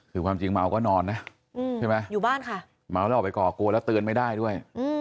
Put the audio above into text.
คือความจริงเมาก็นอนนะใช่ไหมอยู่บ้านค่ะเมาแล้วออกไปก่อกลัวแล้วเตือนไม่ได้ด้วย